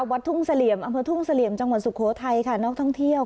วัดทุ่งเสลี่ยมอำเภอทุ่งเสลี่ยมจังหวัดสุโขทัยค่ะนอกท่องเที่ยว